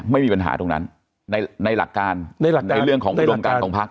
ไม่มีปัญหาตรงนั้นในหลักการในหลักในเรื่องของอุดมการของพัก